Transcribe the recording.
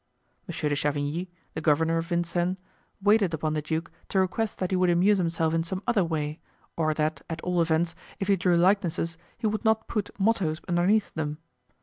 Monsieur de Chavigny, the governor of Vincennes, waited upon the duke to request that he would amuse himself in some other way, or that at all events, if he drew likenesses, he would not put mottoes underneath them.